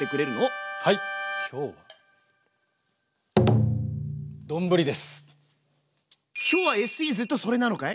今日は今日はＳＥずっとそれなのかい？